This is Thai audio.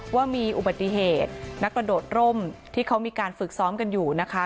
ว่ามีอุบัติเหตุนักกระโดดร่มที่เขามีการฝึกซ้อมกันอยู่นะคะ